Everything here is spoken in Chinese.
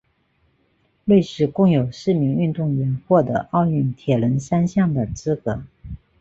瑞士共有四名运动员获得奥运铁人三项的资格。